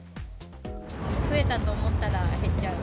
増えたと思ったら減っちゃう。